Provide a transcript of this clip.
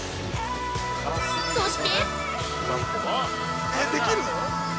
そして！